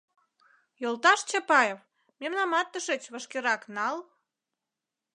— Йолташ Чапаев, мемнамат тышеч вашкерак нал.